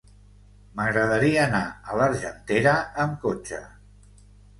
M'agradaria anar a l'Argentera amb cotxe.